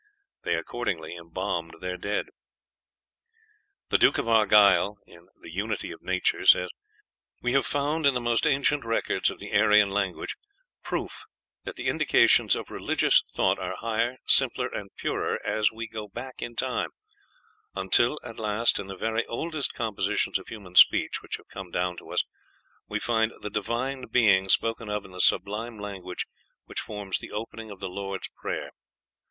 They accordingly embalmed their dead. The Duke of Argyll ("The Unity of Nature") says: "We have found in the most ancient records of the Aryan language proof that the indications of religious thought are higher, simpler, and purer as we go back in time, until at last, in the very oldest compositions of human speech which have come down to us, we find the Divine Being spoken of in the sublime language which forms the opening of the Lord's Prayer.